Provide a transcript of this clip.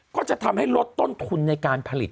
ก็จะทำให้ลดต้นทุนในการผลิต